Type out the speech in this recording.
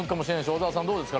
小沢さんどうですか？